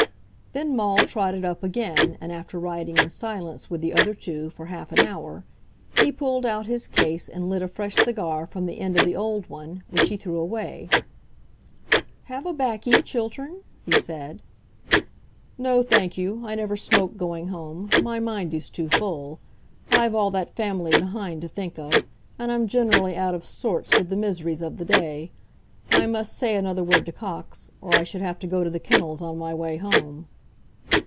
Then Maule trotted up again, and after riding in silence with the other two for half an hour, he pulled out his case and lit a fresh cigar from the end of the old one, which he threw away. "Have a baccy, Chiltern?" he said. "No, thank you, I never smoke going home; my mind is too full. I've all that family behind to think of, and I'm generally out of sorts with the miseries of the day. I must say another word to Cox, or I should have to go to the kennels on my way home."